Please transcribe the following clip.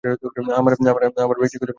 আমার ব্যক্তিগত খরচা!